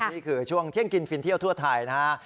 นี่คือช่วงเที่ยงกินฟินเที่ยวทั่วไทยนะฮะ